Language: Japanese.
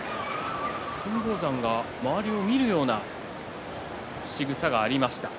金峰山が周りを見るようなしぐさがありました。